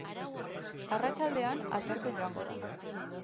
Arratsaldean, atertzen joango da.